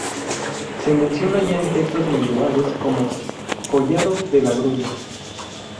Se menciona ya en textos medievales como "Collado de la Grulla.